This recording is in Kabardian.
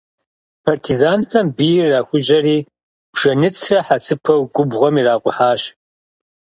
Партизанхэм бийр ирахужьэри, бжэныцрэ хьэцыпэу губгъуэм иракъухьащ.